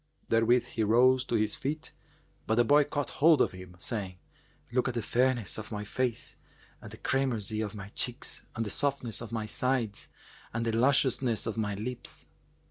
Therewith he rose to his feet; but the boy caught hold of him, saying, "Look at the fairness of my face and the cramoisy of my cheeks and the softness of my sides and the lusciousness of my lips."